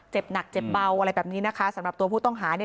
เจ็บหนักเจ็บเบาอะไรแบบนี้นะคะสำหรับตัวผู้ต้องหาเนี่ย